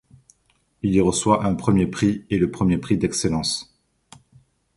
Il y reçoit un premier prix et le premier prix d'excellence.